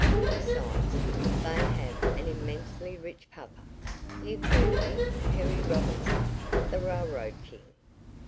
Besides, they have an immensely rich papa. You've heard of him Perry Robinson, the railroad king?"